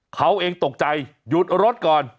เขาเองตกใจหยุดรถก่อน